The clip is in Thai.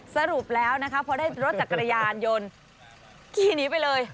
สรุปแล้วนะคะพอได้รถจักรยานยนต์ขี่หนีไปเลย